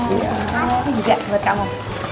iya ini juga buat kamu